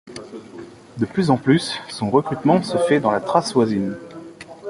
De plus en plus, son recrutement se faisait dans la Thrace voisine.